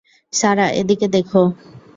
সারা এদিকে দেখো।